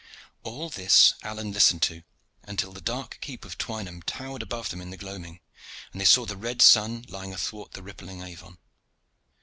All this Alleyne listened to, until the dark keep of Twynham towered above them in the gloaming, and they saw the red sun lying athwart the rippling Avon.